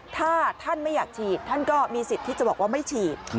ถ้าท่านไม่อยากฉีดท่านก็มีสิทธิ์ที่จะบอกว่าไม่ฉีด